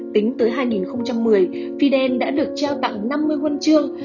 tính tới hai nghìn một mươi fidel đã được trao tặng năm mươi huân trương